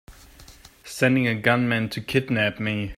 Sending a gunman to kidnap me!